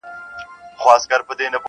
په موسكا او په تعظيم ورته ټگان سول-